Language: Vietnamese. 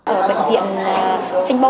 ở bệnh viện sanh pôn